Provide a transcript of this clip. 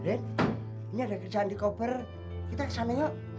rin ini ada kerjaan di koper kita kesana yuk